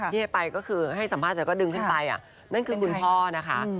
ที่ให้ไปก็คือให้สัมภาษณ์เสร็จก็ดึงขึ้นไปนั่นคือคุณพ่อนะคะ